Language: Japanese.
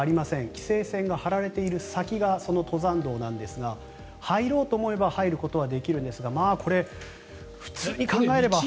規制線が張られている先がその登山道なんですが入ろうと思えば入ることはできるんですが普通に考えれば。